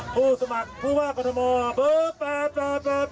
ผู้สมัครผู้ว่ากรมศาลมอธแบบ